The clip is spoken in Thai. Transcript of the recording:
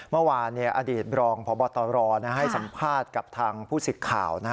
เมื่อวานอดีตรองพบตรให้สัมภาษณ์กับทางผู้สิทธิ์ข่าว